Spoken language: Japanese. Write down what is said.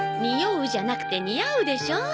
におうじゃなくて似合うでしょ。